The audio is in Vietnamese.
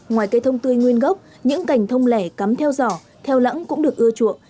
ngoài cây thông tươi nguyên gốc những cành thông lẻ cắm theo giỏ theo lãng cũng được ưa chuộng